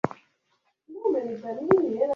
ukazikuta ni sehemu kama za masese zandale